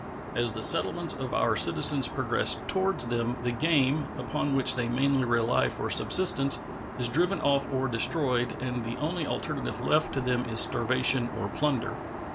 As the settlements of our citizens progress toward them, the game, upon which they mainly rely for subsistence, is driven off or destroyed, and the only alternative left to them is starvation or plunder.